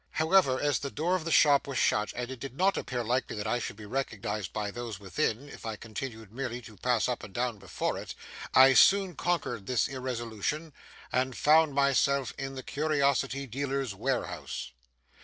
However, as the door of the shop was shut, and it did not appear likely that I should be recognized by those within, if I continued merely to pass up and down before it, I soon conquered this irresolution, and found myself in the Curiosity Dealer's warehouse.